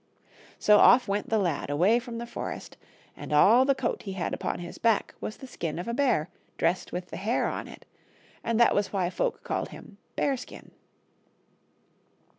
So off went the lad away from the forest, and all the coat he had upon his back was the skin of a bear dressed with the hair on it, and that was why folk called him " Bearskin."